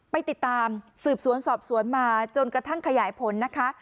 ไปติดตามสืบสวนสอบสวนมาจนกระทั่งขยายผลนะคะ